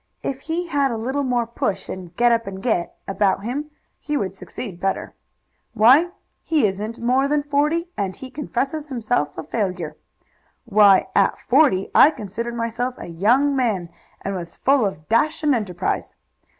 If he had a little more push and get up and get about him he would succeed better. Why, he isn't more than forty and he confesses himself a failure. Why, at forty I considered myself a young man, and was full of dash and enterprise.